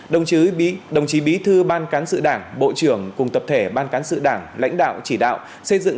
đồng chí đồng chí bí thư ban cán sự đảng bộ trưởng cùng tập thể ban cán sự đảng lãnh đạo chỉ đạo xây dựng